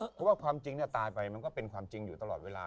เพราะว่าความจริงตายไปมันก็เป็นความจริงอยู่ตลอดเวลา